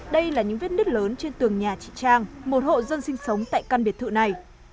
đây là những vết nứt lớn trên tường nhà chị trang một hộ dân sinh sống tại căn biệt thự này